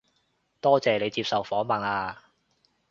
多謝你接受訪問啊